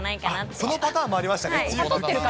そのパターンもありましたか。